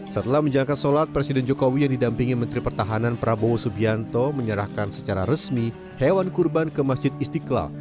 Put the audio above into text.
setelah menjalankan sholat presiden jokowi yang didampingi menteri pertahanan prabowo subianto menyerahkan secara resmi hewan kurban ke masjid istiqlal